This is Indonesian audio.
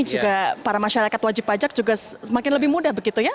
juga para masyarakat wajib pajak juga semakin lebih mudah begitu ya